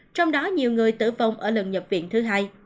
trong đó nhiều người tử vong ở lần nhập viện thứ hai